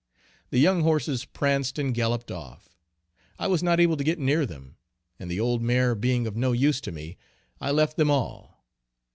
The young horses pranced and galloped off. I was not able to get near them, and the old mare being of no use to me, I left them all.